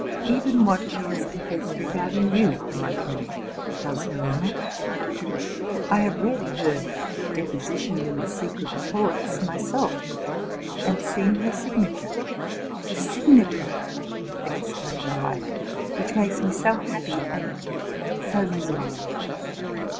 Even what she has confessed regarding you, my friend, does her honor: I have read her deposition in the secret reports myself, and seen her signature.'' —'' The signature!'' exclaimed I, '* which makes me so happy and so miserable.